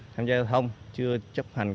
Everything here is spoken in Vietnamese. tham gia giao thông chưa chấp hành